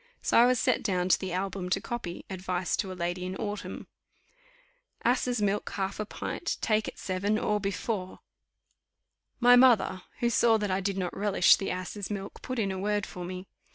So I was set down to the album to copy Advice to a Lady in Autumn. "Asses' milk, half a pint, take at seven, or before." My mother, who saw that I did not relish the asses' milk, put in a word for me.